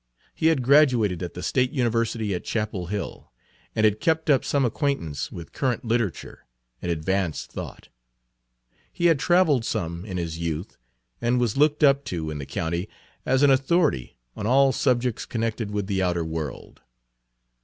He had graduated at the State University at Chapel Hill, Page 72 and had kept up some acquaintance with current literature and advanced thought. He had traveled some in his youth, and was looked up to in the county as an authority on all subjects connected with the outer world.